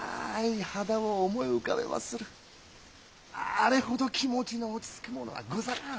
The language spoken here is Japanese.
あれほど気持ちの落ち着くものはござらん。